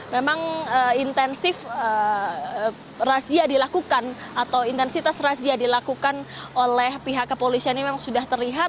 memang intensif razia dilakukan atau intensitas razia dilakukan oleh pihak kepolisian ini memang sudah terlihat